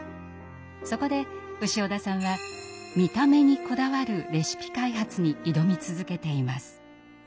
そこで潮田さんは見た目にこだわるレシピ開発に挑み続けています。